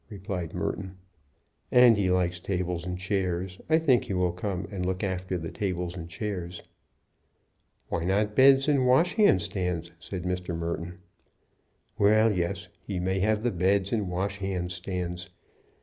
replied Merton. "And he likes tables and chairs. I think he will come and look after the tables and chairs." "Why not beds and washhand stands?" said Mr. Merton. "Well, yes; he may have the beds and washhand stands.